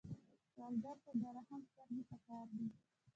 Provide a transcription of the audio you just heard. سوالګر ته د رحم سترګې پکار دي